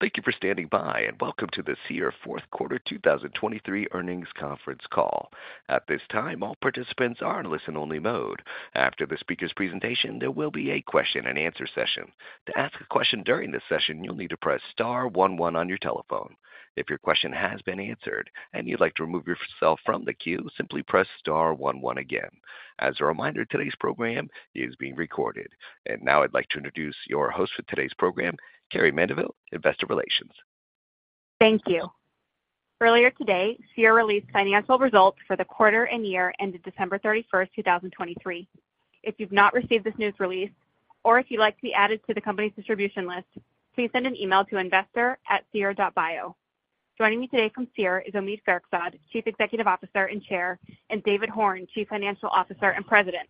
Thank you for standing by, and welcome to the Seer fourth quarter 2023 earnings conference call. At this time, all participants are in listen-only mode. After the speaker's presentation, there will be a question-and-answer session. To ask a question during this session, you'll need to press star 11 on your telephone. If your question has been answered and you'd like to remove yourself from the queue, simply press star 11 again. As a reminder, today's program is being recorded. Now I'd like to introduce your host for today's program, Carrie Mendivil, Investor Relations. Thank you. Earlier today, Seer released financial results for the quarter and year ended December 31, 2023. If you've not received this news release, or if you'd like to be added to the company's distribution list, please send an email to investor@seer.bio. Joining me today from Seer is Omid Farokhzad, Chief Executive Officer and Chair, and David Horn, Chief Financial Officer and President.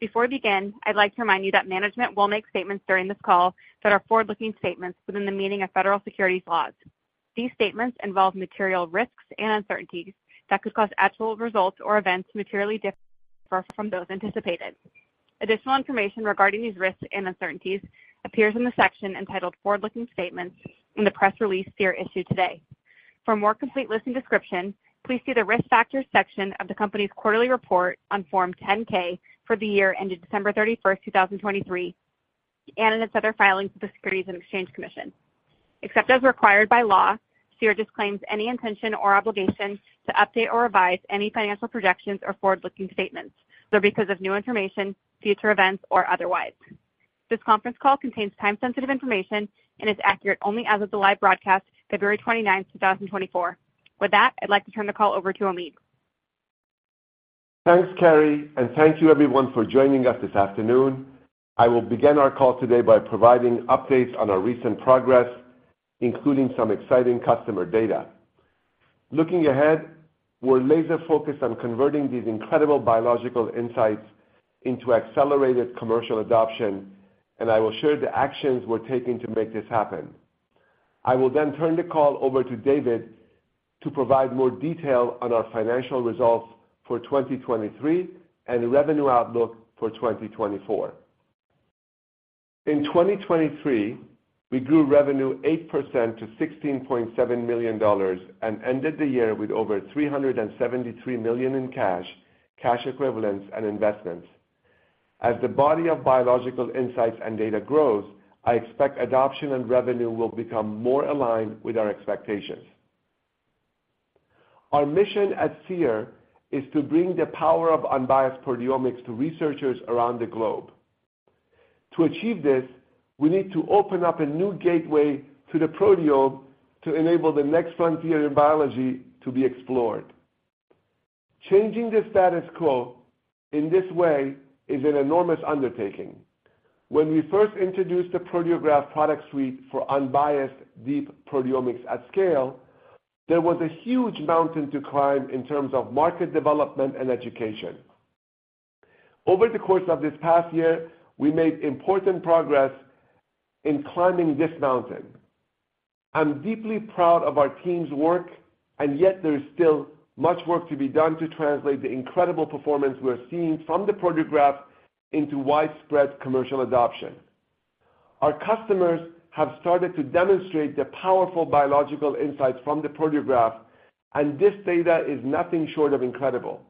Before we begin, I'd like to remind you that management will make statements during this call that are forward-looking statements within the meaning of federal securities laws. These statements involve material risks and uncertainties that could cause actual results or events to materially differ from those anticipated. Additional information regarding these risks and uncertainties appears in the section entitled Forward-Looking Statements in the press release Seer issued today. For a more complete list and description, please see the Risk Factors section of the company's quarterly report on Form 10-K for the year ended December 31, 2023, and in its other filings with the Securities and Exchange Commission. Except as required by law, Seer disclaims any intention or obligation to update or revise any financial projections or forward-looking statements, either because of new information, future events, or otherwise. This conference call contains time-sensitive information and is accurate only as of the live broadcast, February 29, 2024. With that, I'd like to turn the call over to Omid. Thanks, Carrie, and thank you everyone for joining us this afternoon. I will begin our call today by providing updates on our recent progress, including some exciting customer data. Looking ahead, we're laser focused on converting these incredible biological insights into accelerated commercial adoption, and I will share the actions we're taking to make this happen. I will then turn the call over to David to provide more detail on our financial results for 2023 and the revenue outlook for 2024. In 2023, we grew revenue 8% to $16.7 million and ended the year with over $373 million in cash, cash equivalents, and investments. As the body of biological insights and data grows, I expect adoption and revenue will become more aligned with our expectations. Our mission at Seer is to bring the power of unbiased proteomics to researchers around the globe. To achieve this, we need to open up a new gateway to the proteome to enable the next frontier in biology to be explored. Changing the status quo in this way is an enormous undertaking. When we first introduced the Proteograph Product Suite for unbiased, deep proteomics at scale, there was a huge mountain to climb in terms of market development and education. Over the course of this past year, we made important progress in climbing this mountain. I'm deeply proud of our team's work, and yet there is still much work to be done to translate the incredible performance we're seeing from the Proteograph into widespread commercial adoption. Our customers have started to demonstrate the powerful biological insights from the Proteograph, and this data is nothing short of incredible.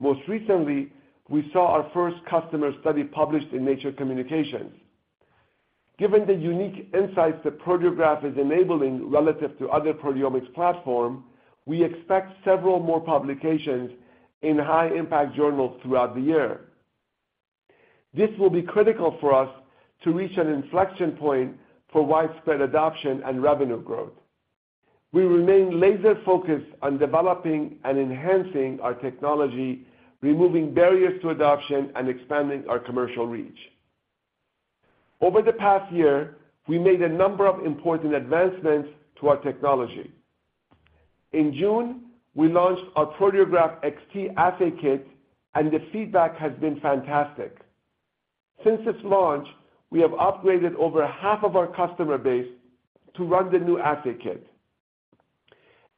Most recently, we saw our first customer study published in Nature Communications. Given the unique insights that Proteograph is enabling relative to other proteomics platform, we expect several more publications in high-impact journals throughout the year. This will be critical for us to reach an inflection point for widespread adoption and revenue growth. We remain laser focused on developing and enhancing our technology, removing barriers to adoption, and expanding our commercial reach. Over the past year, we made a number of important advancements to our technology. In June, we launched our Proteograph XT Assay Kit, and the feedback has been fantastic. Since its launch, we have upgraded over half of our customer base to run the new assay kit.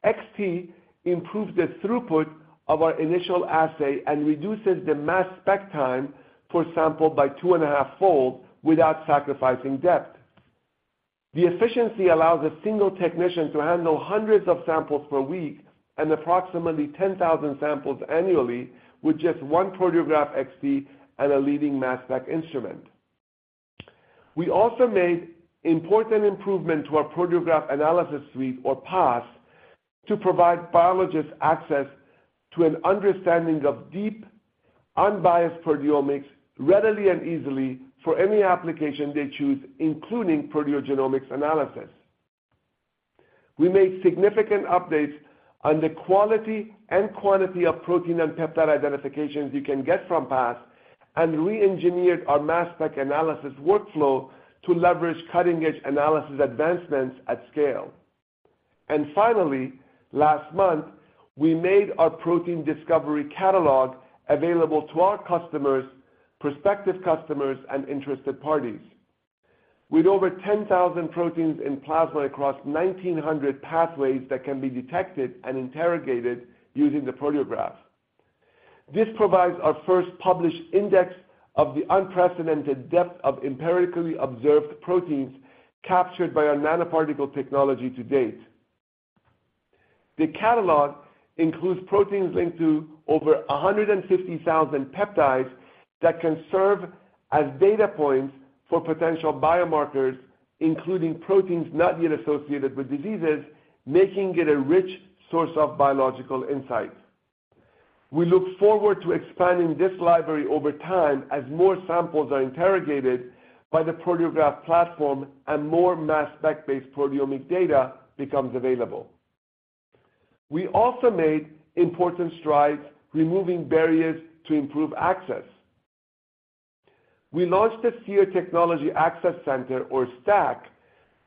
XT improves the throughput of our initial assay and reduces the mass spec time per sample by 2.5-fold without sacrificing depth. The efficiency allows a single technician to handle hundreds of samples per week and approximately 10,000 samples annually with just one Proteograph XT and a leading mass spec instrument. We also made important improvement to our Proteograph Analysis Suite, or PAS, to provide biologists access to an understanding of deep, unbiased proteomics readily and easily for any application they choose, including proteogenomics analysis. We made significant updates on the quality and quantity of protein and peptide identifications you can get from PAS, and reengineered our mass spec analysis workflow to leverage cutting-edge analysis advancements at scale. And finally, last month, we made our Protein Discovery Catalog available to our customers, prospective customers, and interested parties. With over 10,000 proteins in plasma across 1,900 pathways that can be detected and interrogated using the Proteograph. This provides our first published index of the unprecedented depth of empirically observed proteins captured by our nanoparticle technology to date. The catalog includes proteins linked to over 150,000 peptides that can serve as data points for potential biomarkers, including proteins not yet associated with diseases, making it a rich source of biological insight. We look forward to expanding this library over time as more samples are interrogated by the Proteograph platform and more mass spec-based proteomic data becomes available. We also made important strides removing barriers to improve access. We launched the Seer Technology Access Center, or STAC,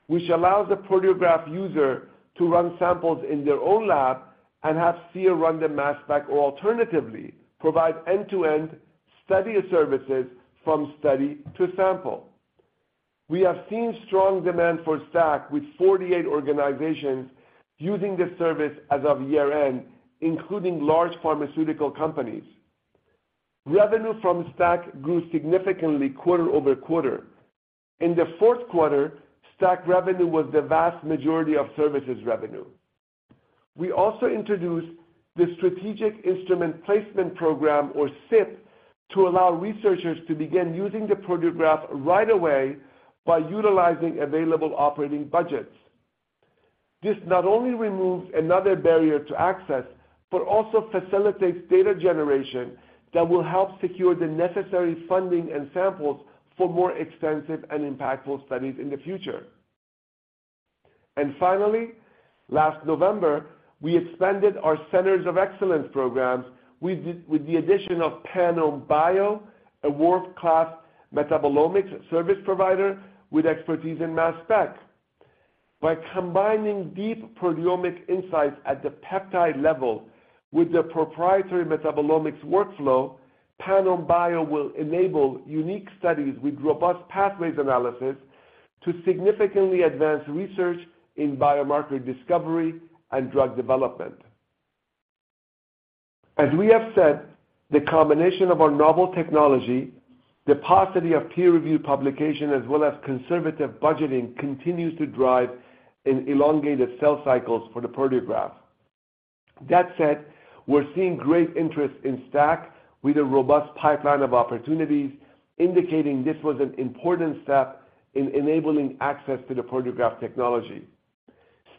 which allows the Proteograph user to run samples in their own lab and have Seer run the mass spec, or alternatively, provide end-to-end study services from study to sample. We have seen strong demand for STAC, with 48 organizations using this service as of year-end, including large pharmaceutical companies. Revenue from STAC grew significantly quarter over quarter. In the fourth quarter, STAC revenue was the vast majority of services revenue. We also introduced the Strategic Instrument Placement program, or SIP, to allow researchers to begin using the Proteograph right away by utilizing available operating budgets. This not only removes another barrier to access, but also facilitates data generation that will help secure the necessary funding and samples for more extensive and impactful studies in the future. And finally, last November, we expanded our Centers of Excellence programs with the addition of Panome Bio, a world-class metabolomics service provider with expertise in mass spec. By combining deep proteomic insights at the peptide level with the proprietary metabolomics workflow, Panome Bio will enable unique studies with robust pathways analysis to significantly advance research in biomarker discovery and drug development. As we have said, the combination of our novel technology, the paucity of peer-reviewed publication, as well as conservative budgeting, continues to drive in elongated sales cycles for the Proteograph. That said, we're seeing great interest in STAC with a robust pipeline of opportunities, indicating this was an important step in enabling access to the Proteograph technology.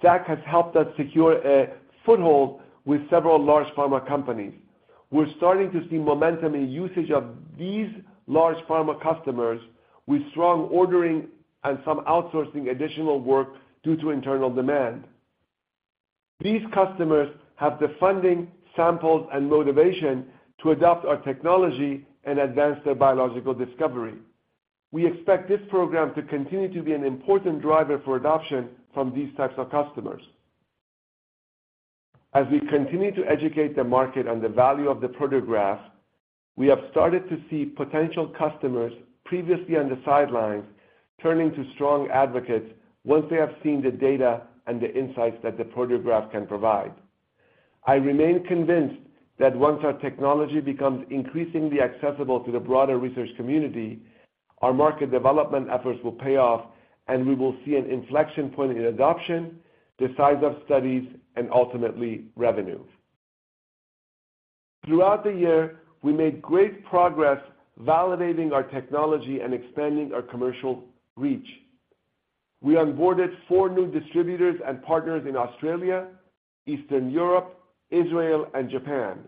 STAC has helped us secure a foothold with several large pharma companies. We're starting to see momentum in usage of these large pharma customers, with strong ordering and some outsourcing additional work due to internal demand. These customers have the funding, samples, and motivation to adopt our technology and advance their biological discovery. We expect this program to continue to be an important driver for adoption from these types of customers. As we continue to educate the market on the value of the Proteograph, we have started to see potential customers previously on the sidelines, turning to strong advocates once they have seen the data and the insights that the Proteograph can provide. I remain convinced that once our technology becomes increasingly accessible to the broader research community, our market development efforts will pay off, and we will see an inflection point in adoption, the size of studies, and ultimately, revenue. Throughout the year, we made great progress validating our technology and expanding our commercial reach. We onboarded four new distributors and partners in Australia, Eastern Europe, Israel, and Japan.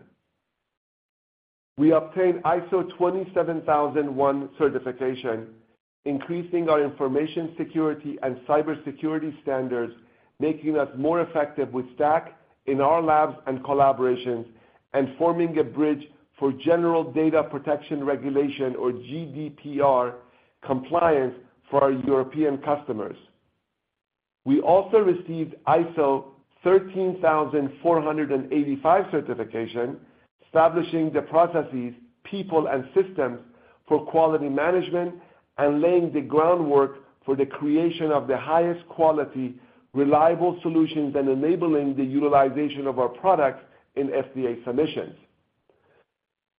We obtained ISO 27001 certification, increasing our information security and cybersecurity standards, making us more effective with STAC in our labs and collaborations, and forming a bridge for General Data Protection Regulation, or GDPR, compliance for our European customers. We also received ISO 13485 certification, establishing the processes, people, and systems for quality management and laying the groundwork for the creation of the highest quality, reliable solutions, and enabling the utilization of our products in FDA submissions.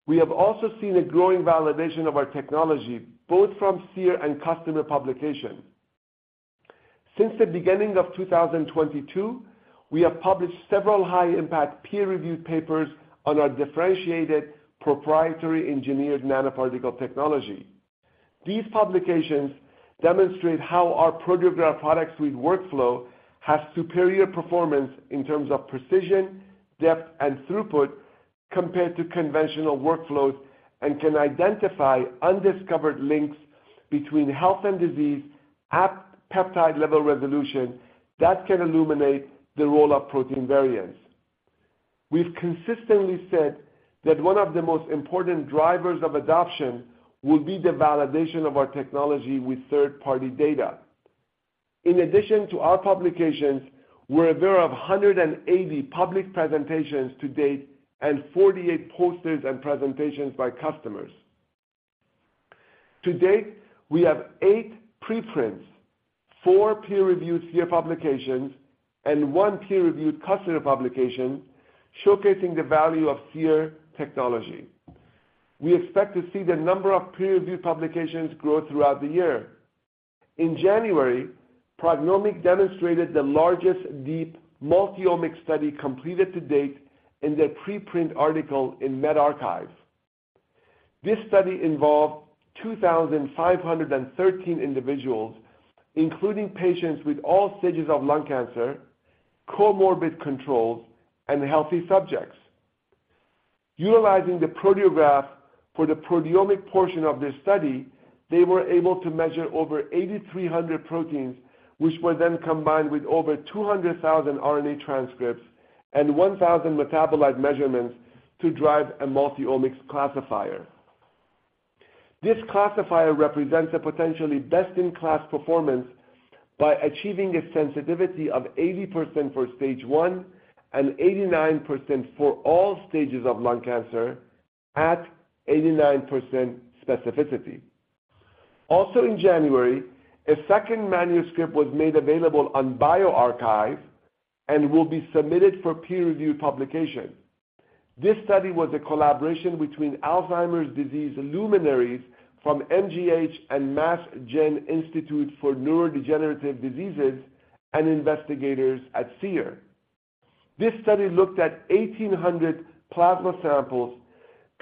We have also seen a growing validation of our technology, both from Seer and customer publication. Since the beginning of 2022, we have published several high-impact peer-reviewed papers on our differentiated, proprietary, engineered nanoparticle technology. These publications demonstrate how our Proteograph product suite workflow has superior performance in terms of precision, depth, and throughput compared to conventional workflows, and can identify undiscovered links between health and disease at peptide-level resolution that can illuminate the role of protein variants. We've consistently said that one of the most important drivers of adoption will be the validation of our technology with third-party data. In addition to our publications, we're aware of 180 public presentations to date and 48 posters and presentations by customers. To date, we have eight preprints, four peer-reviewed Seer publications, and one peer-reviewed customer publication showcasing the value of Seer technology. We expect to see the number of peer-reviewed publications grow throughout the year. In January, PrognomiQ demonstrated the largest deep multi-omics study completed to date in their preprint article in medRxiv. This study involved 2,513 individuals, including patients with all stages of lung cancer, comorbid controls, and healthy subjects. Utilizing the Proteograph for the proteomic portion of this study, they were able to measure over 8,300 proteins, which were then combined with over 200,000 RNA transcripts and 1,000 metabolite measurements to drive a multi-omics classifier. This classifier represents a potentially best-in-class performance by achieving a sensitivity of 80% for stage 1 and 89% for all stages of lung cancer at 89% specificity. Also, in January, a second manuscript was made available on bioRxiv and will be submitted for peer-reviewed publication. This study was a collaboration between Alzheimer's disease luminaries from MGH and MassGen Institute for Neurodegenerative Diseases and investigators at Seer. This study looked at 1,800 plasma samples,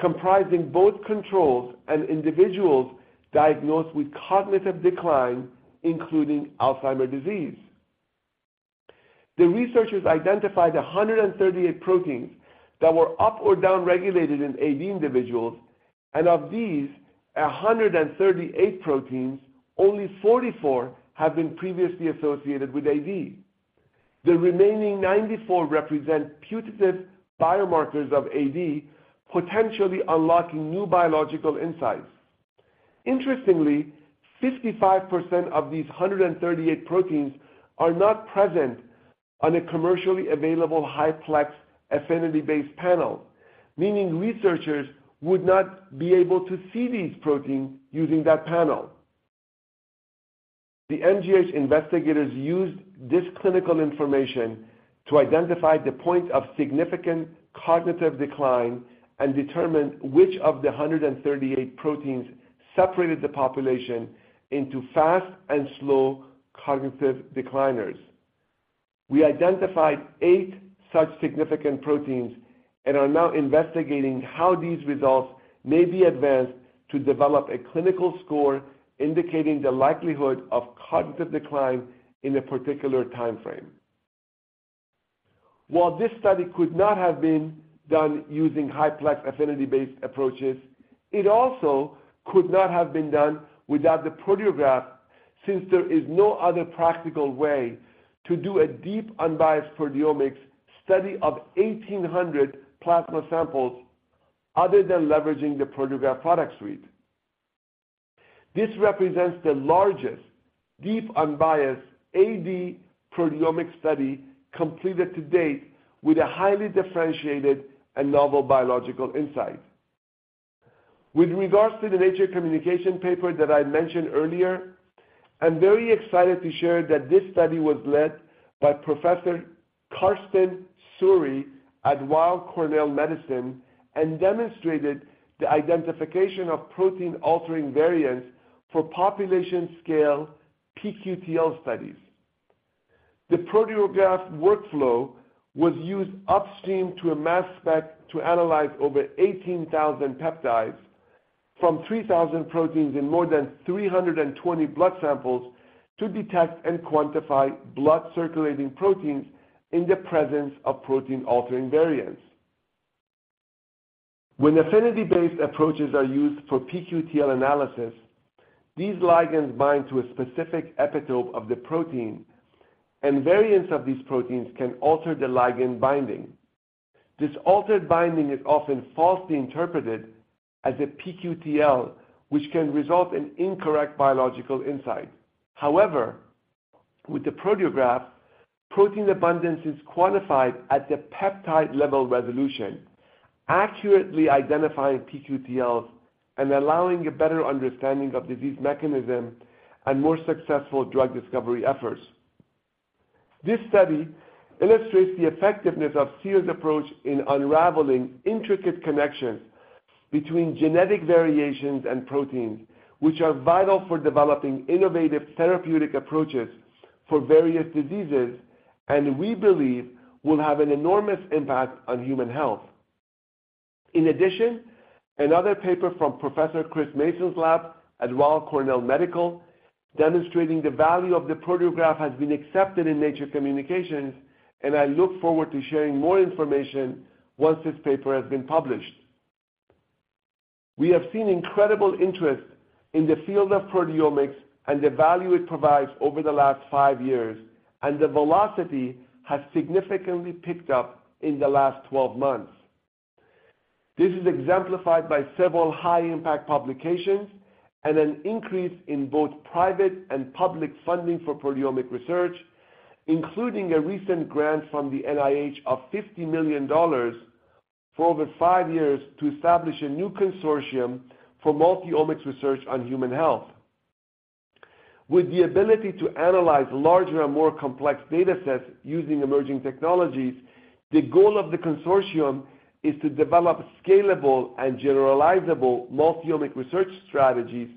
comprising both controls and individuals diagnosed with cognitive decline, including Alzheimer's disease. The researchers identified 138 proteins that were up or down-regulated in AD individuals, and of these 138 proteins, only 44 have been previously associated with AD. The remaining 94 represent putative biomarkers of AD, potentially unlocking new biological insights. Interestingly, 55% of these 138 proteins are not present on a commercially available HiPlex affinity-based panel, meaning researchers would not be able to see these proteins using that panel. The MGH investigators used this clinical information to identify the point of significant cognitive decline and determine which of the 138 proteins separated the population into fast and slow cognitive decliners. We identified eight such significant proteins and are now investigating how these results may be advanced to develop a clinical score indicating the likelihood of cognitive decline in a particular timeframe. While this study could not have been done using HiPlex affinity-based approaches, it also could not have been done without the Proteograph, since there is no other practical way to do a deep, unbiased proteomics study of 1,800 plasma samples other than leveraging the Proteograph Product Suite. This represents the largest, deep, unbiased AD proteomic study completed to date, with a highly differentiated and novel biological insight. With regards to the Nature Communications paper that I mentioned earlier, I'm very excited to share that this study was led by Professor Karsten Suhre at Weill Cornell Medicine and demonstrated the identification of protein-altering variants for population-scale pQTL studies. The Proteograph workflow was used upstream to a mass spec to analyze over 18,000 peptides from 3,000 proteins in more than 320 blood samples to detect and quantify blood-circulating proteins in the presence of protein-altering variants. When affinity-based approaches are used for pQTL analysis, these ligands bind to a specific epitope of the protein, and variants of these proteins can alter the ligand binding. This altered binding is often falsely interpreted as a pQTL, which can result in incorrect biological insight. However, with the Proteograph, protein abundance is quantified at the peptide-level resolution, accurately identifying pQTLs and allowing a better understanding of disease mechanism and more successful drug discovery efforts. This study illustrates the effectiveness of Seer's approach in unraveling intricate connections between genetic variations and proteins, which are vital for developing innovative therapeutic approaches for various diseases, and we believe will have an enormous impact on human health. In addition, another paper from Professor Chris Mason's lab at Weill Cornell Medicine, demonstrating the value of the Proteograph, has been accepted in Nature Communications, and I look forward to sharing more information once this paper has been published. We have seen incredible interest in the field of proteomics and the value it provides over the last 5 years, and the velocity has significantly picked up in the last 12 months. This is exemplified by several high-impact publications and an increase in both private and public funding for proteomic research, including a recent grant from the NIH of $50 million-... for over five years to establish a new consortium for multi-omics research on human health. With the ability to analyze larger and more complex data sets using emerging technologies, the goal of the consortium is to develop scalable and generalizable multi-omic research strategies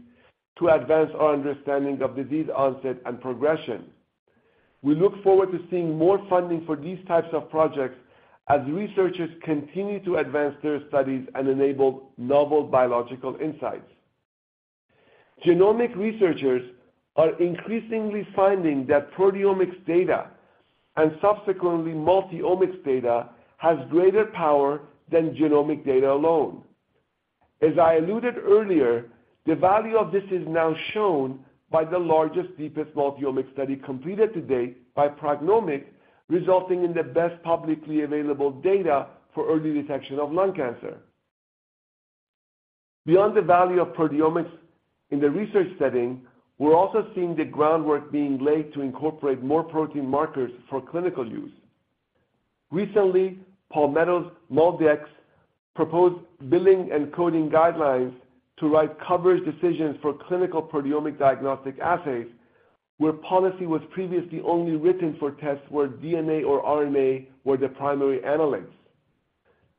to advance our understanding of disease onset and progression. We look forward to seeing more funding for these types of projects as researchers continue to advance their studies and enable novel biological insights. Genomic researchers are increasingly finding that proteomics data, and subsequently, multi-omics data, has greater power than genomic data alone. As I alluded earlier, the value of this is now shown by the largest, deepest multi-omic study completed to date by PrognomiQ, resulting in the best publicly available data for early detection of lung cancer. Beyond the value of proteomics in the research setting, we're also seeing the groundwork being laid to incorporate more protein markers for clinical use. Recently, Palmetto GBA's MolDX proposed billing and coding guidelines to write coverage decisions for clinical proteomic diagnostic assays, where policy was previously only written for tests where DNA or RNA were the primary analytes.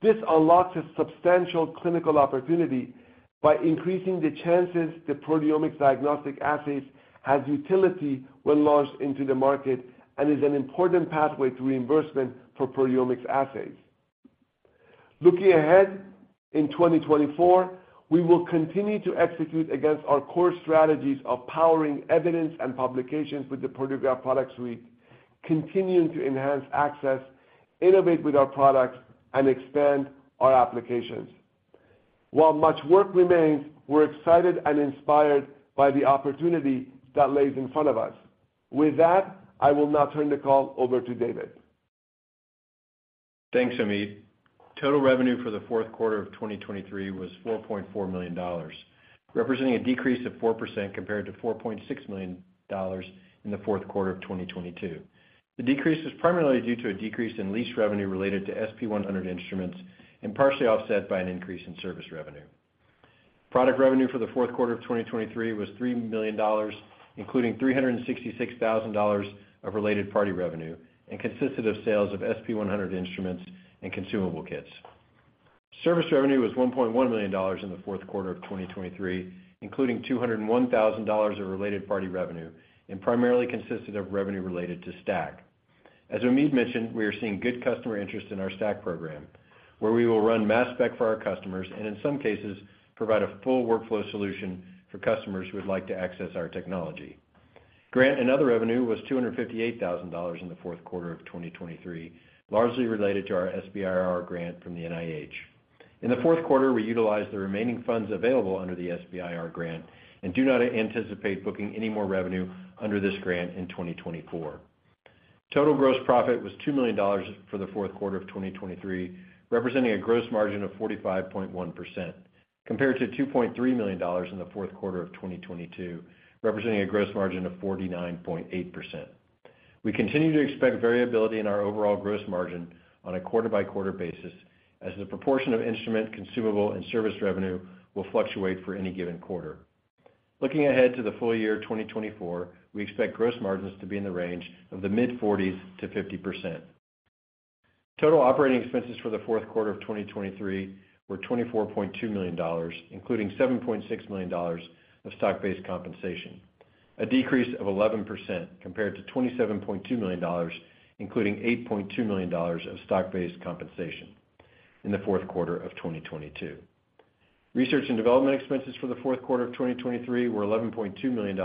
This unlocks a substantial clinical opportunity by increasing the chances that proteomics diagnostic assays have utility when launched into the market and is an important pathway to reimbursement for proteomics assays. Looking ahead, in 2024, we will continue to execute against our core strategies of powering evidence and publications with the Proteograph product suite, continuing to enhance access, innovate with our products, and expand our applications. While much work remains, we're excited and inspired by the opportunity that lays in front of us. With that, I will now turn the call over to David. Thanks, Omid. Total revenue for the fourth quarter of 2023 was $4.4 million, representing a decrease of 4% compared to $4.6 million in the fourth quarter of 2022. The decrease was primarily due to a decrease in lease revenue related to SP-100 instruments, and partially offset by an increase in service revenue. Product revenue for the fourth quarter of 2023 was $3 million, including $366,000 of related party revenue, and consisted of sales of SP-100 instruments and consumable kits. Service revenue was $1.1 million in the fourth quarter of 2023, including $201,000 of related party revenue, and primarily consisted of revenue related to STAC. As Omid mentioned, we are seeing good customer interest in our STAC program, where we will run mass spec for our customers, and in some cases, provide a full workflow solution for customers who would like to access our technology. Grant and other revenue was $258,000 in the fourth quarter of 2023, largely related to our SBIR grant from the NIH. In the fourth quarter, we utilized the remaining funds available under the SBIR grant and do not anticipate booking any more revenue under this grant in 2024. Total gross profit was $2 million for the fourth quarter of 2023, representing a gross margin of 45.1%, compared to $2.3 million in the fourth quarter of 2022, representing a gross margin of 49.8%. We continue to expect variability in our overall gross margin on a quarter-by-quarter basis, as the proportion of instrument, consumable, and service revenue will fluctuate for any given quarter. Looking ahead to the full year 2024, we expect gross margins to be in the range of the mid-40s-50%. Total operating expenses for the fourth quarter of 2023 were $24.2 million, including $7.6 million of stock-based compensation, a decrease of 11% compared to $27.2 million, including $8.2 million of stock-based compensation in the fourth quarter of 2022. Research and development expenses for the fourth quarter of 2023 were $11.2 million,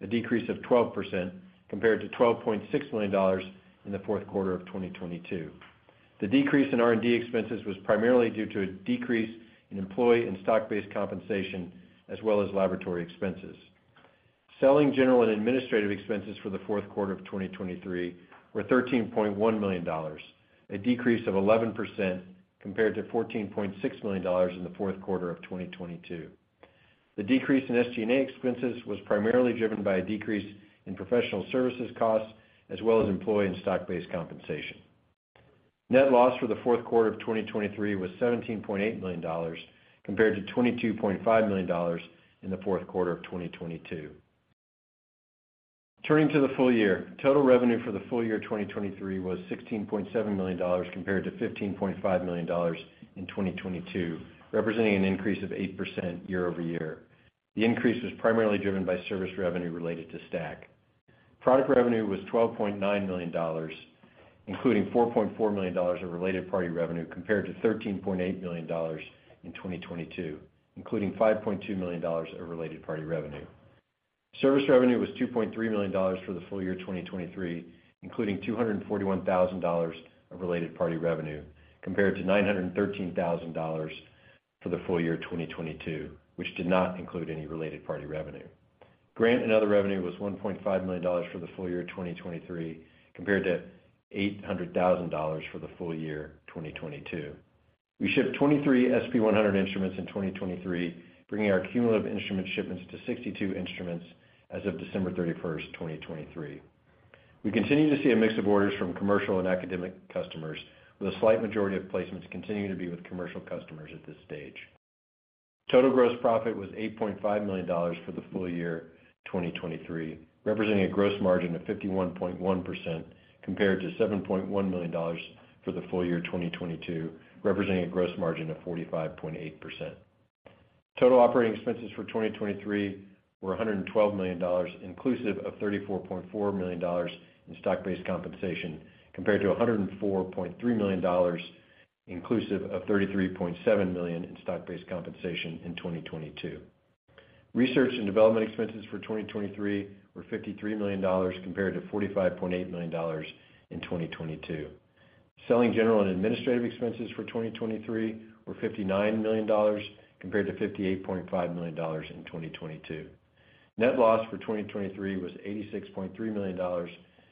a decrease of 12% compared to $12.6 million in the fourth quarter of 2022. The decrease in R&D expenses was primarily due to a decrease in employee and stock-based compensation, as well as laboratory expenses. Selling, general, and administrative expenses for the fourth quarter of 2023 were $13.1 million, a decrease of 11% compared to $14.6 million in the fourth quarter of 2022. The decrease in SG&A expenses was primarily driven by a decrease in professional services costs, as well as employee and stock-based compensation. Net loss for the fourth quarter of 2023 was $17.8 million, compared to $22.5 million in the fourth quarter of 2022. Turning to the full year, total revenue for the full year 2023 was $16.7 million, compared to $15.5 million in 2022, representing an increase of 8% year over year. The increase was primarily driven by service revenue related to STAC. Product revenue was $12.9 million, including $4.4 million of related party revenue, compared to $13.8 million in 2022, including $5.2 million of related party revenue. Service revenue was $2.3 million for the full year 2023, including $241,000 of related party revenue, compared to $913,000 for the full year 2022, which did not include any related party revenue. Grant and other revenue was $1.5 million for the full year 2023, compared to $800,000 for the full year 2022. We shipped 23 SP-100 instruments in 2023, bringing our cumulative instrument shipments to 62 instruments as of December 31, 2023.... We continue to see a mix of orders from commercial and academic customers, with a slight majority of placements continuing to be with commercial customers at this stage. Total gross profit was $8.5 million for the full year 2023, representing a gross margin of 51.1%, compared to $7.1 million for the full year 2022, representing a gross margin of 45.8%. Total operating expenses for 2023 were $112 million, inclusive of $34.4 million in stock-based compensation, compared to $104.3 million, inclusive of $33.7 million in stock-based compensation in 2022. Research and development expenses for 2023 were $53 million compared to $45.8 million in 2022. Selling, general, and administrative expenses for 2023 were $59 million compared to $58.5 million in 2022. Net loss for 2023 was $86.3 million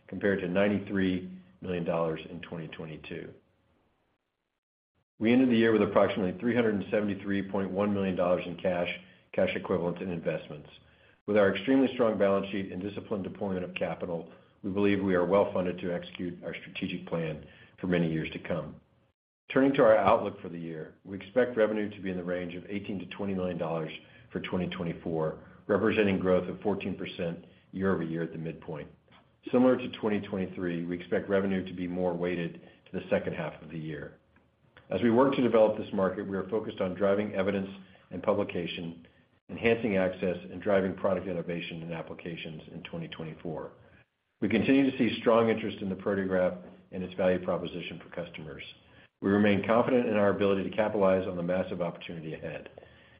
compared to $93 million in 2022. We ended the year with approximately $373.1 million in cash, cash equivalents, and investments. With our extremely strong balance sheet and disciplined deployment of capital, we believe we are well funded to execute our strategic plan for many years to come. Turning to our outlook for the year, we expect revenue to be in the range of $18 million-$20 million for 2024, representing growth of 14% year-over-year at the midpoint. Similar to 2023, we expect revenue to be more weighted to the second half of the year. As we work to develop this market, we are focused on driving evidence and publication, enhancing access, and driving product innovation and applications in 2024. We continue to see strong interest in the Proteograph and its value proposition for customers. We remain confident in our ability to capitalize on the massive opportunity ahead.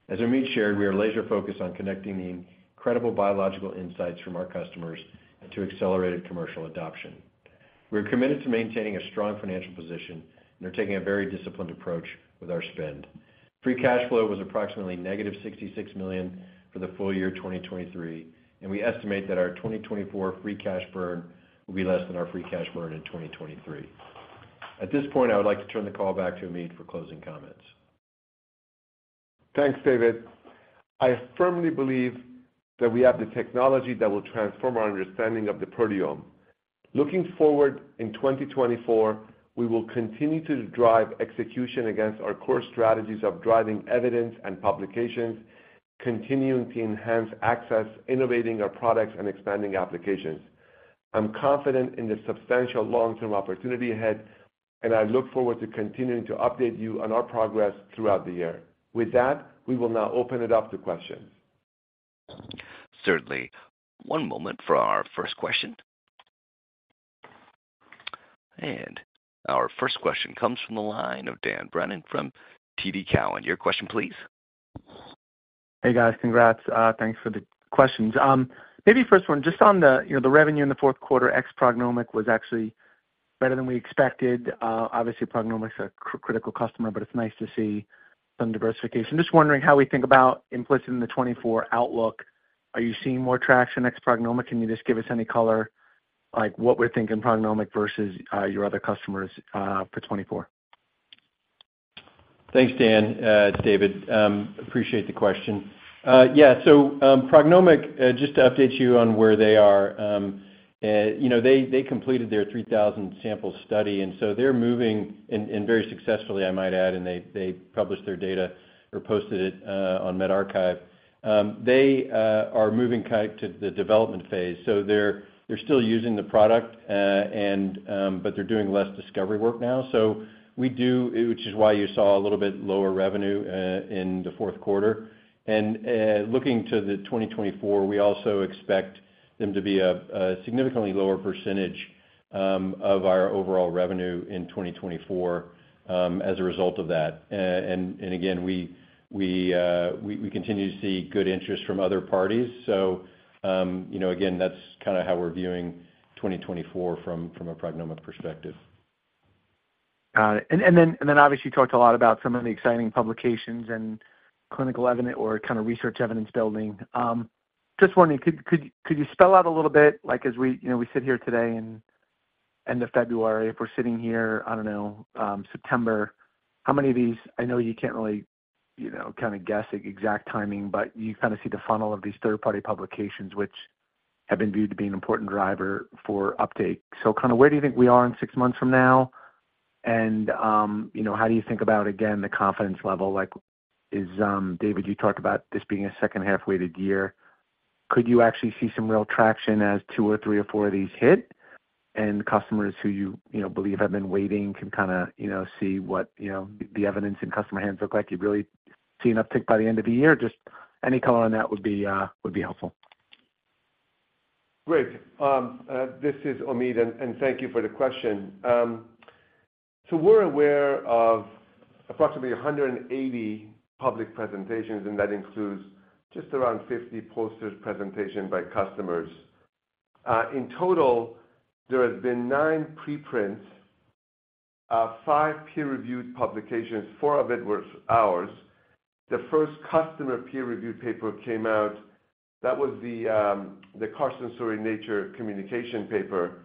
As Omid shared, we are laser focused on connecting the incredible biological insights from our customers and to accelerated commercial adoption. We are committed to maintaining a strong financial position and are taking a very disciplined approach with our spend. Free cash flow was approximately -$66 million for the full year 2023, and we estimate that our 2024 free cash burn will be less than our free cash burn in 2023. At this point, I would like to turn the call back to Omid for closing comments. Thanks, David. I firmly believe that we have the technology that will transform our understanding of the proteome. Looking forward, in 2024, we will continue to drive execution against our core strategies of driving evidence and publications, continuing to enhance access, innovating our products, and expanding applications. I'm confident in the substantial long-term opportunity ahead, and I look forward to continuing to update you on our progress throughout the year. With that, we will now open it up to questions. Certainly. One moment for our first question. Our first question comes from the line of Dan Brennan from TD Cowen. Your question, please. Hey, guys. Congrats, thanks for the questions. Maybe first one, just on the, you know, the revenue in the fourth quarter, ex-PrognomiQ was actually better than we expected. Obviously, PrognomiQ's a critical customer, but it's nice to see some diversification. Just wondering how we think about implicit in the 2024 outlook, are you seeing more traction ex-PrognomiQ? Can you just give us any color, like what we're thinking PrognomiQ versus, your other customers, for 2024? Thanks, Dan. It's David. Appreciate the question. Yeah, so, PrognomiQ, just to update you on where they are, you know, they, they completed their 3,000 sample study, and so they're moving, and, and very successfully, I might add, and they, they published their data or posted it, on medRxiv. They, are moving kind to the development phase, so they're, they're still using the product, and, but they're doing less discovery work now. So we do, which is why you saw a little bit lower revenue, in the fourth quarter. And, looking to the 2024, we also expect them to be a, a significantly lower percentage, of our overall revenue in 2024, as a result of that. And again, we continue to see good interest from other parties, so you know, again, that's kinda how we're viewing 2024 from a PrognomiQ perspective. Got it. And then obviously, you talked a lot about some of the exciting publications and clinical evidence or kind of research evidence building. Just wondering, could you spell out a little bit, like, as we, you know, we sit here today in end of February, if we're sitting here, I don't know, September, how many of these... I know you can't really, you know, kind of guess the exact timing, but you kind of see the funnel of these third-party publications, which have been viewed to be an important driver for uptake. So kind of where do you think we are in six months from now? And, you know, how do you think about, again, the confidence level, like, is, David, you talked about this being a second half weighted year. Could you actually see some real traction as two or three or four of these hit, and customers who you, you know, believe have been waiting can kinda, you know, see what, you know, the evidence in customer hands look like? You'd really see an uptick by the end of the year. Just any color on that would be, would be helpful. Great. This is Omid, and thank you for the question. So we're aware of approximately 180 public presentations, and that includes just around 50 posters presentation by customers. In total, there have been nine preprints, five peer-reviewed publications, four of it was ours. The first customer peer-reviewed paper came out, that was the Karsten Suhre Nature Communications paper.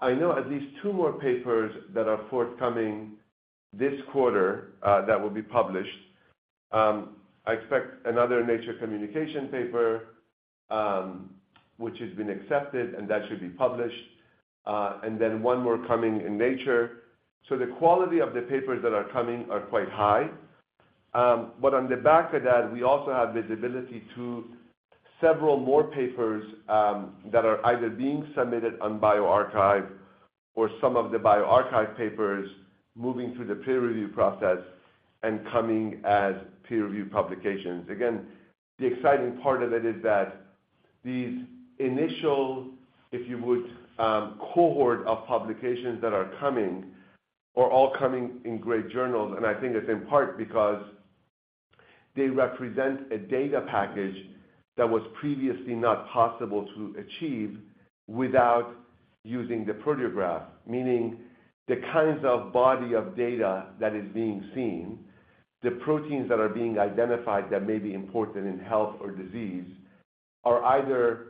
I know at least two more papers that are forthcoming this quarter, that will be published. I expect another Nature Communications paper, which has been accepted, and that should be published, and then one more coming in Nature. So the quality of the papers that are coming are quite high. But on the back of that, we also have visibility to several more papers, that are either being submitted on bioRxiv or some of the bioRxiv papers moving through the peer review process and coming as peer-reviewed publications. Again, the exciting part of it is that these initial, if you would, cohort of publications that are coming, are all coming in great journals, and I think it's in part because they represent a data package that was previously not possible to achieve without using the Proteograph. Meaning, the kinds of body of data that is being seen, the proteins that are being identified that may be important in health or disease, are either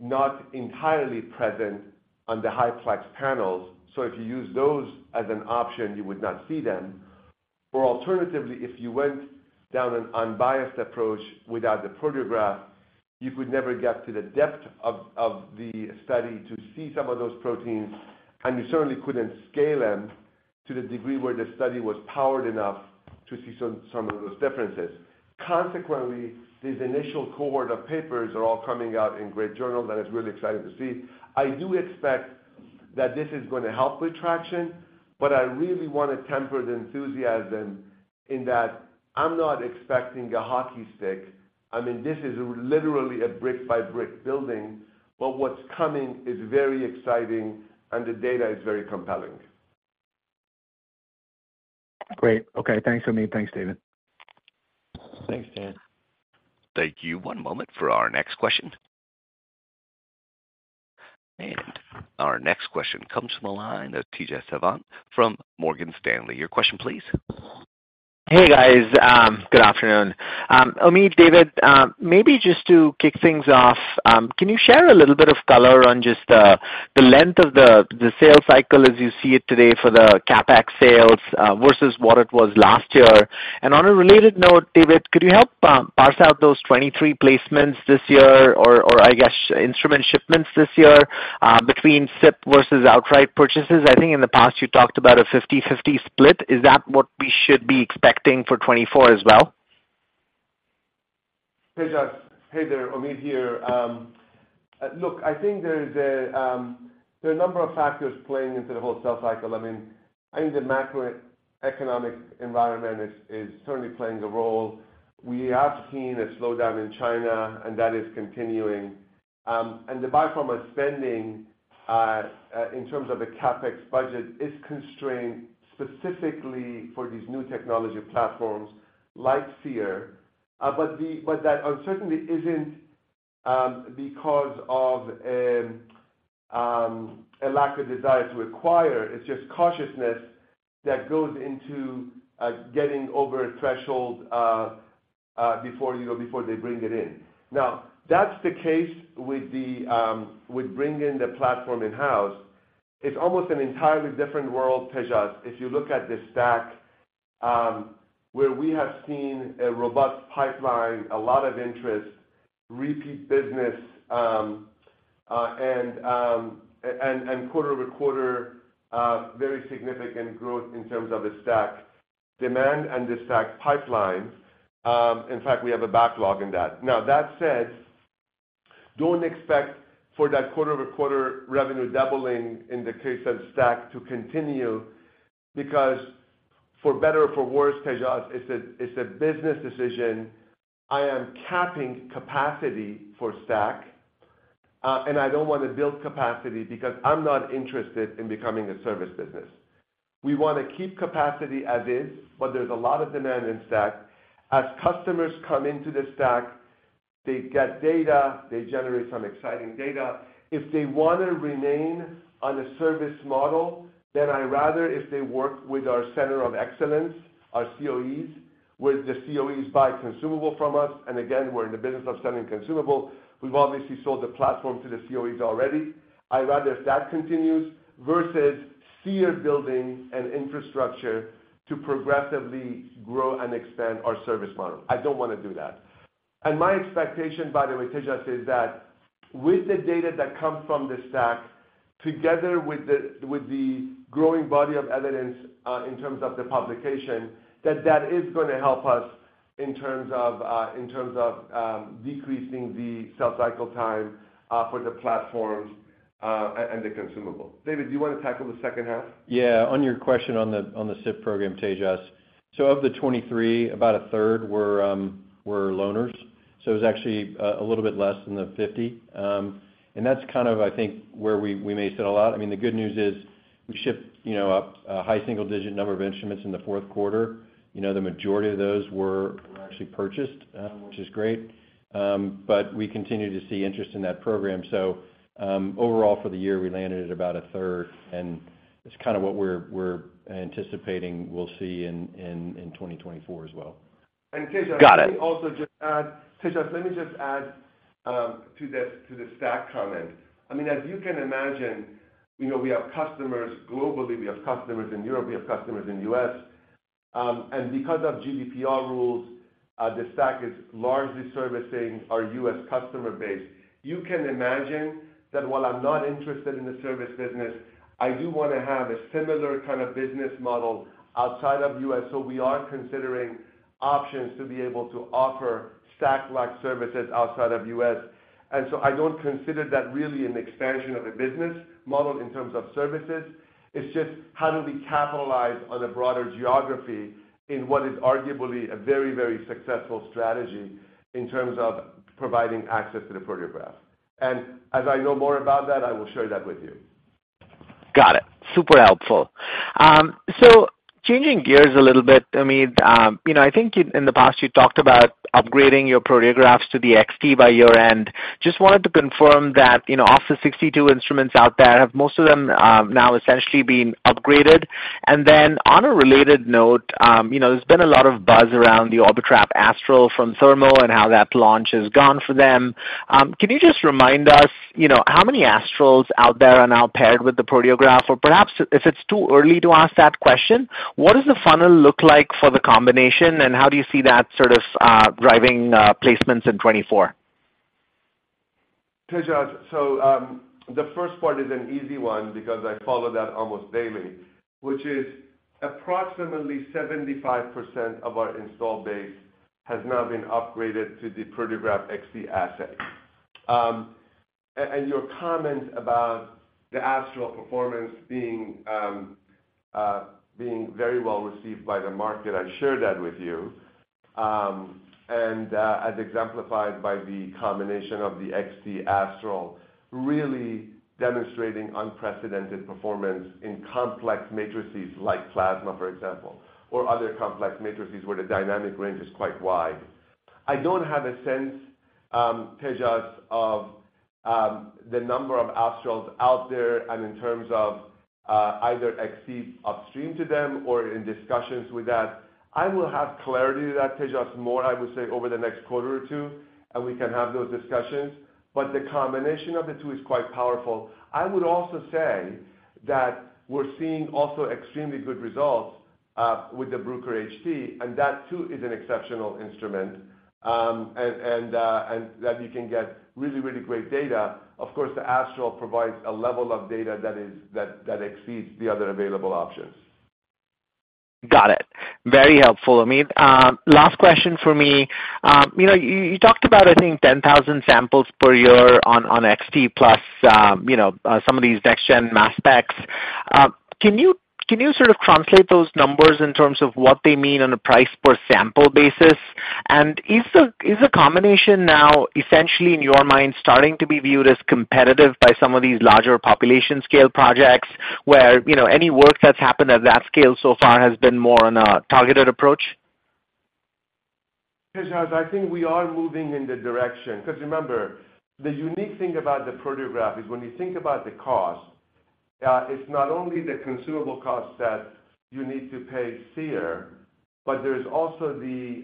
not entirely present on the high plex panels, so if you use those as an option, you would not see them. Or alternatively, if you went down an unbiased approach without the Proteograph, you could never get to the depth of the study to see some of those proteins, and you certainly couldn't scale them to the degree where the study was powered enough to see some of those differences. Consequently, this initial cohort of papers are all coming out in great journals, and it's really exciting to see. I do expect that this is going to help with traction, but I really want to temper the enthusiasm in that I'm not expecting a hockey stick. I mean, this is literally a brick-by-brick building, but what's coming is very exciting, and the data is very compelling. Great. Okay, thanks, Omid. Thanks, David. Thanks, Dan. Thank you. One moment for our next question. Our next question comes from the line of Tejas Savant from Morgan Stanley. Your question, please. Hey, guys, good afternoon. Omid, David, maybe just to kick things off, can you share a little bit of color on just, the length of the, the sales cycle as you see it today for the CapEx sales, versus what it was last year? And on a related note, David, could you help, parse out those 23 placements this year, or, or I guess, instrument shipments this year, between SIP versus outright purchases? I think in the past, you talked about a 50/50 split. Is that what we should be expecting for 2024 as well? Hey, Tejas. Hey there, Omid here. Look, I think there are a number of factors playing into the whole sales cycle. I mean, I think the macroeconomic environment is certainly playing a role. We have seen a slowdown in China, and that is continuing. And the biopharma spending in terms of the CapEx budget is constrained specifically for these new technology platforms like Seer. But that uncertainty isn't because of a lack of desire to acquire. It's just cautiousness that goes into getting over a threshold before, you know, before they bring it in. Now, that's the case with bringing the platform in-house. It's almost an entirely different world, Tejas, if you look at the STAC, where we have seen a robust pipeline, a lot of interest, repeat business, and quarter-over-quarter very significant growth in terms of the STAC demand and the STAC pipelines. In fact, we have a backlog in that. Now, that said, don't expect for that quarter-over-quarter revenue doubling in the case of STAC to continue, because for better or for worse, Tejas, it's a business decision. I am capping capacity for STAC, and I don't want to build capacity because I'm not interested in becoming a service business. We wanna keep capacity as is, but there's a lot of demand in STAC. As customers come into the STAC, they get data, they generate some exciting data. If they wanna remain on a service model, then I rather if they work with our Centers of Excellence, our COEs, where the COEs buy consumable from us, and again, we're in the business of selling consumable. We've obviously sold the platform to the COEs already. I'd rather if that continues versus Seer building an infrastructure to progressively grow and expand our service model. I don't wanna do that. And my expectation, by the way, Tejas, is that with the data that comes from the STAC, together with the growing body of evidence in terms of the publication, that that is gonna help us in terms of decreasing the sales cycle time for the platforms and the consumable. David, do you wanna tackle the second half? Yeah, on your question on the, on the SIP program, Tejas. So of the 23, about a third were loaners, so it's actually a little bit less than the 50. And that's kind of, I think, where we may sit a lot. I mean, the good news is, we shipped, you know, a high single-digit number of instruments in the fourth quarter. You know, the majority of those were actually purchased, which is great. But we continue to see interest in that program. So, overall for the year, we landed at about a third, and it's kind of what we're anticipating we'll see in 2024 as well. Got it. Tejas, let me just add to the STAC comment. I mean, as you can imagine, you know, we have customers globally, we have customers in Europe, we have customers in U.S. And because of GDPR rules, the STAC is largely servicing our U.S. customer base. You can imagine that while I'm not interested in the service business, I do wanna have a similar kind of business model outside of U.S. So we are considering options to be able to offer STAC-like services outside of U.S. And so I don't consider that really an expansion of a business model in terms of services. It's just how do we capitalize on a broader geography in what is arguably a very, very successful strategy in terms of providing access to the Proteograph? As I know more about that, I will share that with you. Got it. Super helpful. So changing gears a little bit, Omid, you know, I think in, in the past, you talked about upgrading your Proteographs to the XT by year-end. Just wanted to confirm that, you know, of the 62 instruments out there, have most of them now essentially been upgraded? And then on a related note, you know, there's been a lot of buzz around the Orbitrap Astral from Thermo and how that launch has gone for them. Can you just remind us, you know, how many Astrals out there are now paired with the Proteograph? Or perhaps if it's too early to ask that question, what does the funnel look like for the combination, and how do you see that sort of driving placements in 2024? Tejas, so, the first part is an easy one because I follow that almost daily, which is approximately 75% of our install base has now been upgraded to the Proteograph XT assay. And your comment about the Astral performance being very well received by the market, I share that with you. And, as exemplified by the combination of the XT Astral, really demonstrating unprecedented performance in complex matrices like plasma, for example, or other complex matrices where the dynamic range is quite wide. I don't have a sense, Tejas, of the number of Astrals out there, and in terms of either XT upstream to them or in discussions with that. I will have clarity to that, Tejas, more, I would say, over the next quarter or two, and we can have those discussions. But the combination of the two is quite powerful. I would also say that we're seeing also extremely good results with the Bruker HT, and that too is an exceptional instrument. And that you can get really, really great data. Of course, the Astral provides a level of data that exceeds the other available options. Got it. Very helpful, Amit. Last question for me. You know, you talked about, I think, 10,000 samples per year on XT plus, you know, some of these next-gen mass specs. Can you, can you sort of translate those numbers in terms of what they mean on a price per sample basis? And is the combination now, essentially in your mind, starting to be viewed as competitive by some of these larger population scale projects, where, you know, any work that's happened at that scale so far has been more on a targeted approach? Tejas, I think we are moving in the direction, because remember, the unique thing about the Proteograph is when you think about the cost, it's not only the consumable costs that you need to pay Seer, but there's also the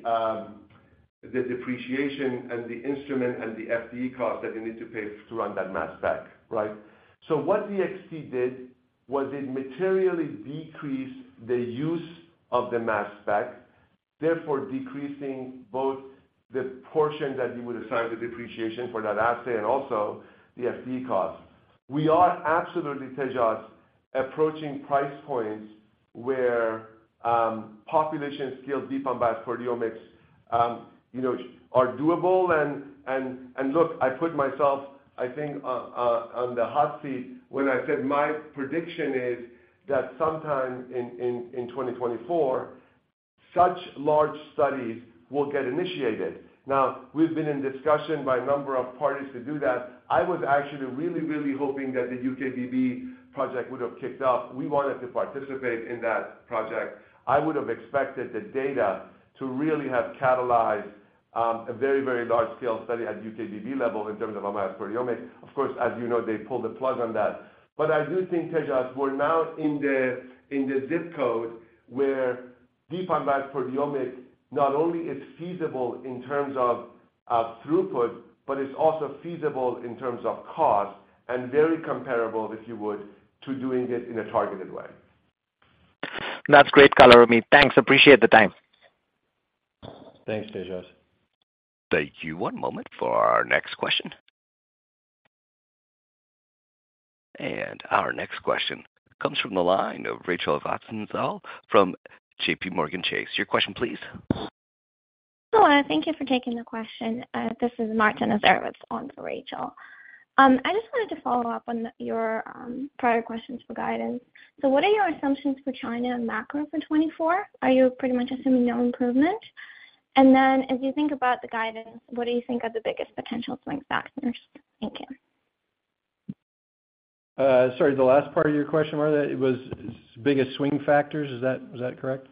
depreciation and the instrument and the FTE cost that you need to pay to run that mass spec, right? So what the XT did was it materially decreased the use of the mass spec, therefore decreasing both the portion that you would assign the depreciation for that assay and also the FTE cost. We are absolutely, Tejas, approaching price points where population scale deep unbiased proteomics, you know, are doable. And look, I put myself, I think, on the hot seat when I said my prediction is that sometime in 2024, such large studies will get initiated. Now, we've been in discussion by a number of parties to do that. I was actually really, really hoping that the UKBB project would have kicked off. We wanted to participate in that project. I would have expected the data to really have catalyzed a very, very large-scale study at UKBB level in terms of a mass proteomic. Of course, as you know, they pulled the plug on that. But I do think, Tejas, we're now in the ZIP code where deep unbiased proteomic not only is feasible in terms of throughput, but it's also feasible in terms of cost and very comparable, if you would, to doing it in a targeted way. That's great color, Omid. Thanks. Appreciate the time. Thanks, Tejas. Thank you. One moment for our next question. Our next question comes from the line of Rachel Vatnsdal from JPMorgan Chase. Your question, please. Hello, thank you for taking the question. This is Martina Zerovits on for Rachel. I just wanted to follow up on your prior questions for guidance. So what are your assumptions for China and macro for 2024? Are you pretty much assuming no improvement? And then as you think about the guidance, what do you think are the biggest potential swing factors? Thank you. Sorry, the last part of your question was, it was biggest swing factors. Is that, was that correct?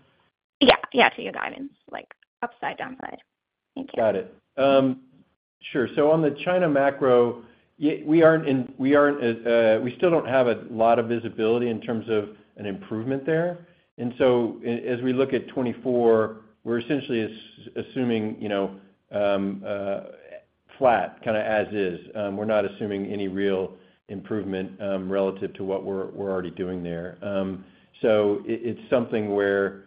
Yeah, yeah, to your guidance, like upside, downside. Thank you. Got it. Sure. So on the China macro-... Yeah, we aren't, we still don't have a lot of visibility in terms of an improvement there. And so as we look at 2024, we're essentially assuming, you know, flat, kinda as is. We're not assuming any real improvement, relative to what we're, we're already doing there. So it, it's something where,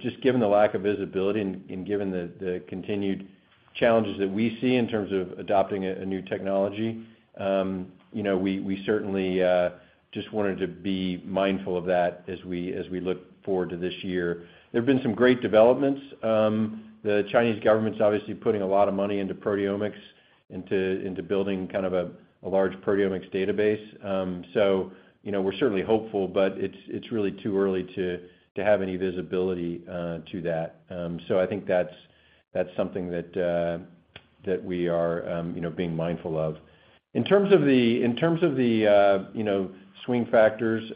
just given the lack of visibility and given the continued challenges that we see in terms of adopting a new technology, you know, we certainly just wanted to be mindful of that as we look forward to this year. There have been some great developments. The Chinese government's obviously putting a lot of money into proteomics, into building kind of a large proteomics database. So, you know, we're certainly hopeful, but it's really too early to have any visibility to that. So I think that's something that we are, you know, being mindful of. In terms of the swing factors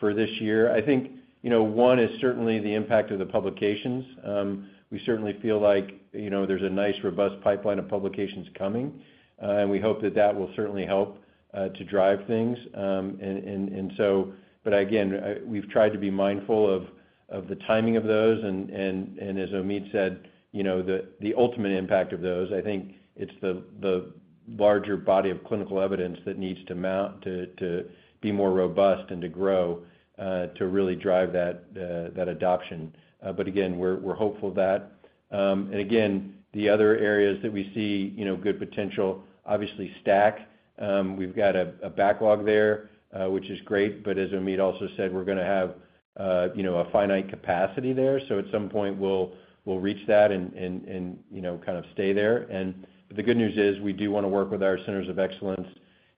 for this year, I think, you know, one is certainly the impact of the publications. We certainly feel like, you know, there's a nice, robust pipeline of publications coming, and we hope that that will certainly help to drive things. And so... But again, we've tried to be mindful of the timing of those, and as Omid said, you know, the ultimate impact of those, I think it's the larger body of clinical evidence that needs to mount to be more robust and to grow, to really drive that adoption. But again, we're hopeful that... And again, the other areas that we see, you know, good potential, obviously, STAC. We've got a backlog there, which is great, but as Omid also said, we're gonna have, you know, a finite capacity there. So at some point, we'll reach that and, you know, kind of stay there. The good news is, we do want to work with our Centers of Excellence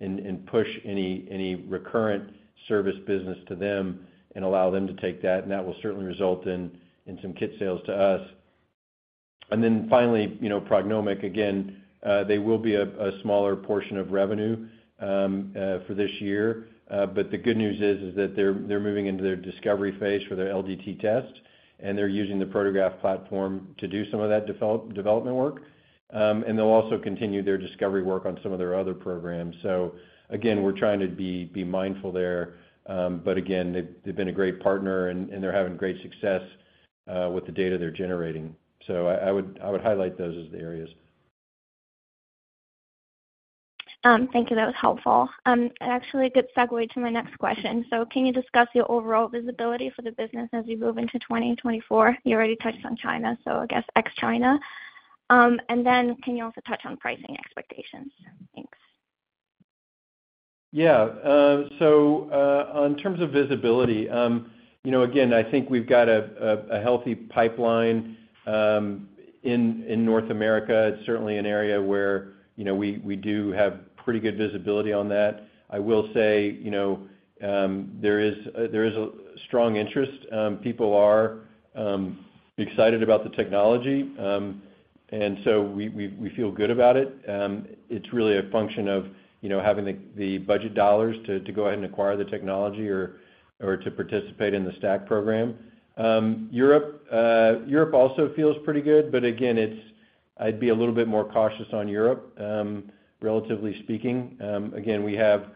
and push any recurrent service business to them and allow them to take that, and that will certainly result in some kit sales to us. And then finally, you know, PrognomiQ, again, they will be a smaller portion of revenue for this year. But the good news is that they're moving into their discovery phase for their LDT test, and they're using the Proteograph platform to do some of that development work. And they'll also continue their discovery work on some of their other programs. So again, we're trying to be mindful there. But again, they've been a great partner, and they're having great success with the data they're generating. So, I would highlight those as the areas. Thank you. That was helpful. Actually, a good segue to my next question. So can you discuss your overall visibility for the business as you move into 2024? You already touched on China, so I guess ex-China. And then can you also touch on pricing expectations? Thanks. Yeah. So, on terms of visibility, you know, again, I think we've got a healthy pipeline in North America. It's certainly an area where, you know, we do have pretty good visibility on that. I will say, you know, there is a strong interest. People are excited about the technology, and so we feel good about it. It's really a function of, you know, having the budget dollars to go ahead and acquire the technology or to participate in the STAC program. Europe also feels pretty good, but again, it's. I'd be a little bit more cautious on Europe, relatively speaking. Again, we have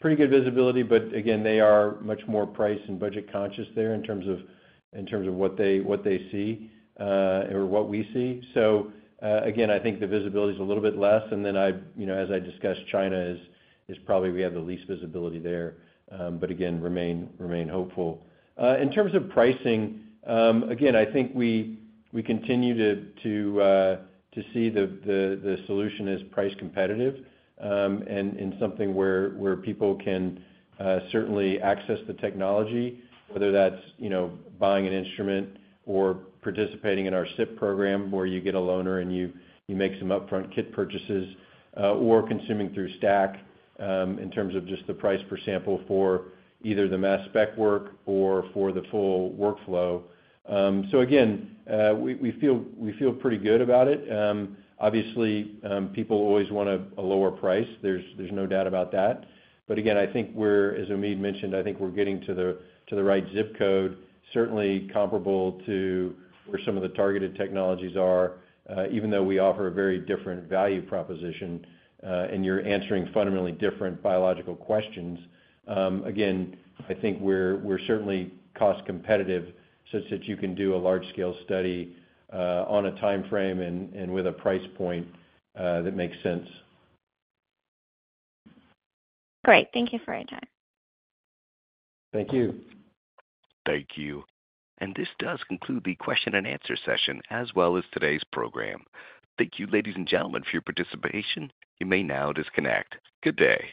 pretty good visibility, but again, they are much more price and budget conscious there in terms of, in terms of what they, what they see, or what we see. So, again, I think the visibility is a little bit less, and then I, you know, as I discussed, China is, is probably we have the least visibility there, but again, remain, remain hopeful. In terms of pricing, again, I think we continue to see the solution as price competitive, and something where people can certainly access the technology, whether that's, you know, buying an instrument or participating in our SIP program, where you get a loaner, and you make some upfront kit purchases, or consuming through STAC, in terms of just the price per sample for either the mass spec work or for the full workflow. Again, we feel pretty good about it. Obviously, people always want a lower price. There's no doubt about that. But again, I think we're, as Omid mentioned, I think we're getting to the right zip code, certainly comparable to where some of the targeted technologies are, even though we offer a very different value proposition, and you're answering fundamentally different biological questions. Again, I think we're certainly cost competitive such that you can do a large-scale study, on a timeframe and with a price point, that makes sense. Great. Thank you for your time. Thank you. Thank you. This does conclude the question and answer session, as well as today's program. Thank you, ladies and gentlemen, for your participation. You may now disconnect. Good day.